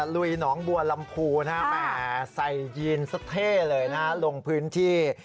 ลุยหนองบัวลำพูนะฮะแหมใส่ยีนสะเท่เลยนะลงพื้นที่